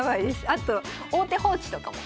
あと王手放置とかも。